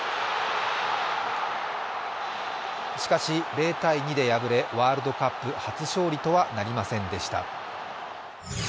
しかし０−２で敗れ、ワールドカップ初勝利とはなりませんでした。